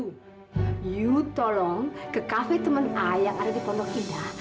kamu tolong ke kafe teman saya yang ada di pondok indah